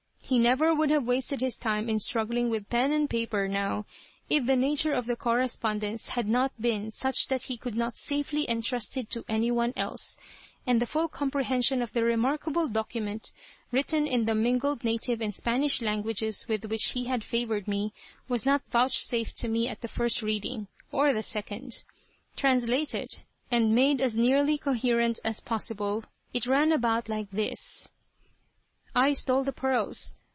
He never would have wasted his time in struggling with pen and paper, now, if the nature of the correspondence had not been such that he could not safely entrust it to any one else; and the full comprehension of the remarkable document, written in the mingled native and Spanish languages, with which he had favored me, was not vouchsafed to me at the first reading, or the second. Translated, and made as nearly coherent as possible, it ran about like this: "I stole the pearls.